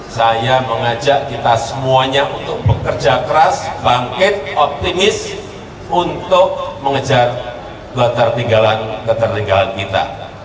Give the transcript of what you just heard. saya mengajak kita semuanya untuk bekerja keras bangkit optimis untuk mengejar ketertinggalan ketertinggalan kita